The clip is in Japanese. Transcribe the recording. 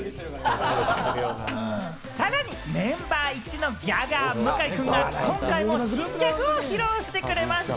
さらにメンバーいちのギャガー、向井君が、今回も新ギャグを披露してくれました。